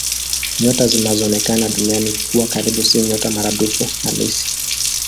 Nyota zinazoonekana Duniani kuwa karibu si nyota maradufu halisi.